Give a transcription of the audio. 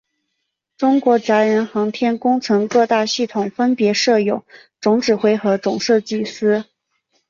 中国载人航天工程各大系统分别设有总指挥和总设计师。